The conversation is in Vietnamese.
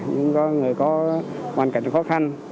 những người có hoàn cảnh khó khăn